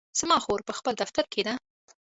زما خور په خپل دفتر کې ده